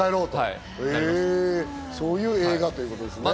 そういう映画ということですね。